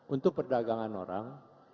untuk perdagangan orang